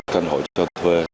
căn hội cho thuê